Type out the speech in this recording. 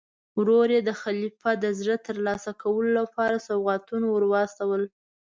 ورور یې د خلیفه د زړه ترلاسه کولو لپاره سوغاتونه ور واستول.